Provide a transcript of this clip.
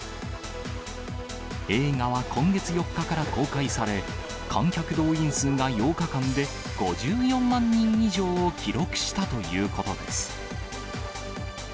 映画は今月４日から公開され、観客動員数が８日間で５４万人以上を記録したということです。